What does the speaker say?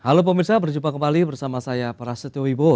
halo pemirsa berjumpa kembali bersama saya prasetyo wibowo